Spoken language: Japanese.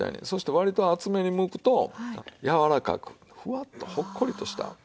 そして割と厚めにむくとやわらかくふわっとほっこりとした。